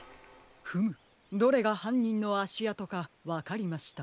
フムどれがはんにんのあしあとかわかりました。